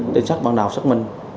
tên xác băng đào xác minh